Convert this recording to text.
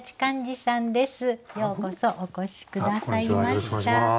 ようこそお越し下さいました。